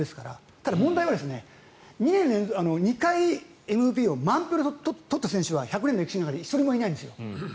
ただ問題は２回ＭＶＰを満票で取った選手は１００年の歴史の中で１人もいないんです。